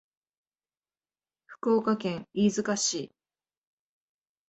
福岡県飯塚市